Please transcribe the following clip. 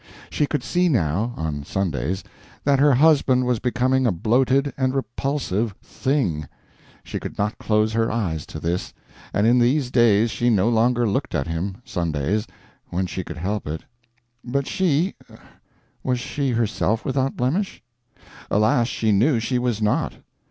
She could see now (on Sundays) that her husband was becoming a bloated and repulsive Thing. She could not close her eyes to this, and in these days she no longer looked at him, Sundays, when she could help it. But she was she herself without blemish? Alas, she knew she was not.